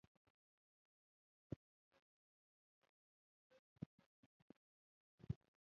د ناغوښتو عواملو اغېز هېڅکله صفر ته نه رسیږي.